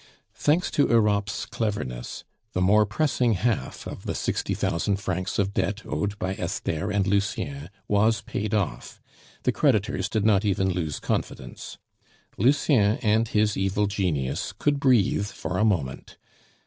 Thanks to Europe's cleverness, the more pressing half of the sixty thousand francs of debt owed by Esther and Lucien was paid off. The creditors did not even lose confidence. Lucien and his evil genius could breathe for a moment.